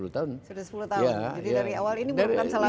sudah sepuluh tahun jadi dari awal ini